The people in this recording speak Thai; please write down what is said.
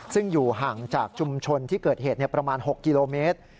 ซึ่งอยู่ห่างจากชุมชนที่เกิดเหตุประมาณ๖กิโลเมตร